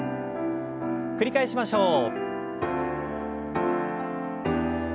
繰り返しましょう。